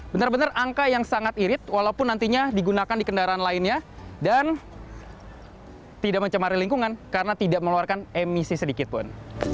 benar benar angka yang sangat irit walaupun nantinya digunakan di kendaraan lainnya dan tidak mencemari lingkungan karena tidak meluarkan emisi sedikitpun